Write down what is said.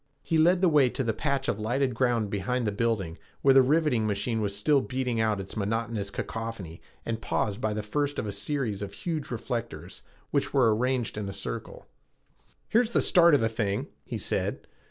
He led the way to the patch of lighted ground behind the building where the riveting machine was still beating out its monotonous cacaphony and paused by the first of a series of huge reflectors, which were arranged in a circle. "Here is the start of the thing," he said.